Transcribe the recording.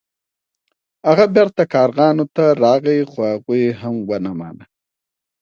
هغه بیرته کارغانو ته راغی خو هغوی هم ونه مانه.